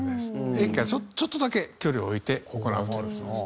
駅からちょっとだけ距離を置いて行うという事です。